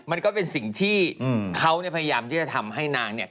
มันก็เป็นสิ่งที่เขาเนี่ยพยายามที่จะทำให้นางเนี่ย